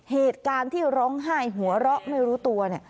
เหตุการณ์ที่ร้องไห้หัวเราะไม่รู้ตัวเนี่ย